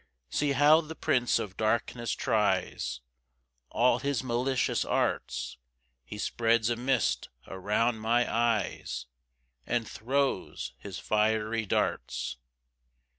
3 See how the prince of darkness tries All his malicious arts, He spreads a mist around my eyes, And throws his fiery darts.